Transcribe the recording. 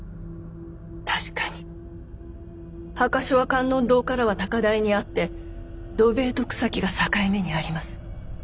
確かに墓所は観音堂からは高台にあって土塀と草木が境目にあります。